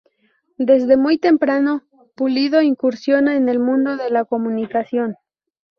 Desde muy temprano, Pulido incursiona en el mundo de la comunicación.